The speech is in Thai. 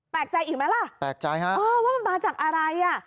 แปลกใจอีกไหมล่ะแปลกใจฮะเออว่ามันมาจากอะไรอ่ะ